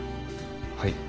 はい。